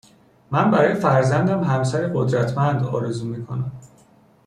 من برای فرزندم همسری قدرتمند آرزو میکنم